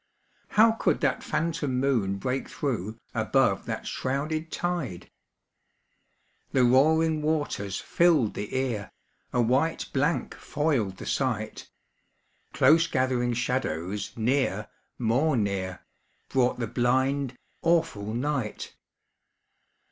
How could that phantom moon break through, Above that shrouded tide? The roaring waters filled the ear, A white blank foiled the sight. Close gathering shadows near, more near, Brought the blind, awful night.